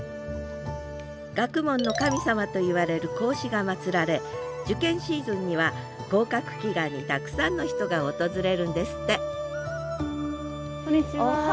学問の神様といわれる孔子が祀られ受験シーズンには合格祈願にたくさんの人が訪れるんですってこんにちは。